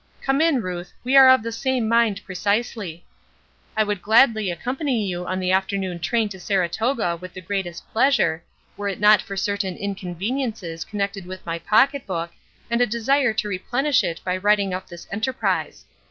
Come in, Ruth, we are of the same mind precisely. I would gladly accompany you on the afternoon train to Saratoga with the greatest pleasure, were it not for certain inconveniences connected with my pocket book, and a desire to replenish it by writing up this enterprise.